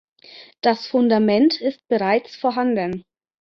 Das Fundament ist bereits vorhanden.